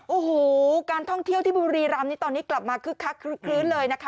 โอ้โหการท่องเที่ยวที่บุรีรำนี่ตอนนี้กลับมาคึกคักคลึกคลื้นเลยนะคะ